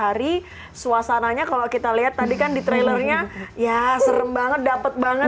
hari suasananya kalau kita lihat tadi kan di trailernya ya serem banget dapet banget